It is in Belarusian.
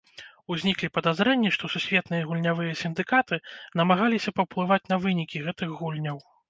Узніклі падазрэнні, што сусветныя гульнявыя сіндыкаты намагаліся паўплываць на вынікі гэтых гульняў.